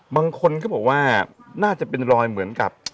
บางคนก็บอกว่าน่าจะเป็นรอยเหมือนกับ